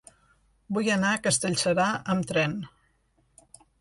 Vull anar a Castellserà amb tren.